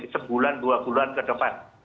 sebulan dua bulan ke depan